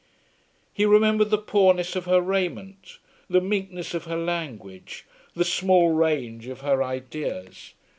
He remembered the poorness of her raiment, the meekness of her language, the small range of her ideas.